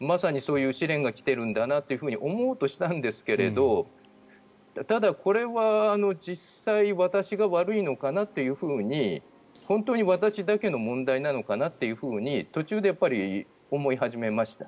まさにそういう試練が来ているんだなと思おうとしたんですがただ、これは実際私が悪いのかなと本当に私だけの問題なのかなというふうに途中でやっぱり思い始めました。